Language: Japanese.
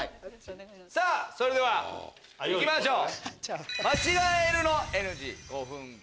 さぁそれではいきましょう。